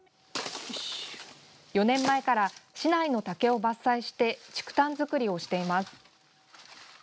４年前から、市内の竹を伐採して竹炭作りをしています。